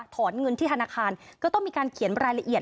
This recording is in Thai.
ถอนเงินที่ธนาคารก็ต้องมีการเขียนรายละเอียด